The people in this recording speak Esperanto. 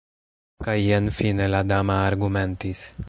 Kaj jen fine la dama argumentis.